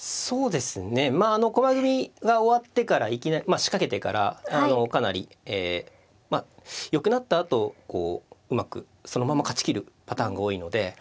そうですねあの駒組みが終わってからいきなり仕掛けてからかなりよくなったあとこううまくそのまま勝ち切るパターンが多いので。